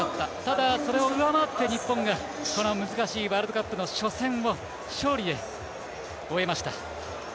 でも、それを上回って日本が、この難しいワールドカップの初戦を勝利で終えました。